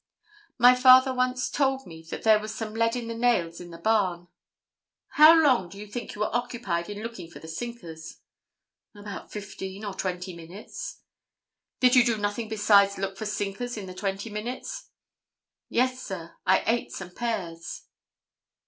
"My father once told me that there was some lead and nails in the barn." "How long do you think you occupied in looking for the sinkers?" "About fifteen or twenty minutes." "Did you do nothing besides look for sinkers in the twenty minutes?" "Yes, sir. I ate some pears."